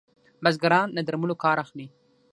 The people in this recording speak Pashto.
بزګران له درملو کار اخلي.